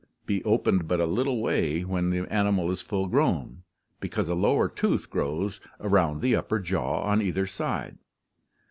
be opened 'but a little way when the animal is full grown, because a lower tooth grows around the upper jaw on either side.